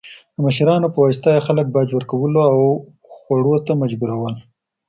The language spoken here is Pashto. د مشرانو په واسطه یې خلک باج ورکولو او خوړو ته مجبورول.